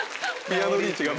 ピアノリーチが。